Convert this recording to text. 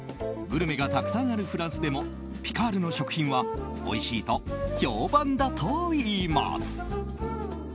グルメがたくさんあるフランスでもピカールの食品はおいしいと評判だといいます。